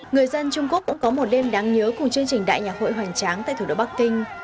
người dân trung quốc cũng có một đêm đáng nhớ cùng chương trình đại nhạc hội hoành tráng tại thủ đô bắc kinh